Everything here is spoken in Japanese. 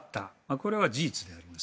これは事実であります。